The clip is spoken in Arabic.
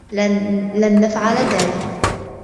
لن نفعل ذلك.